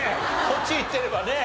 こっちいってればね